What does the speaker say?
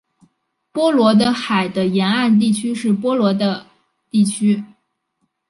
波罗的海的沿岸地区是波罗的地区。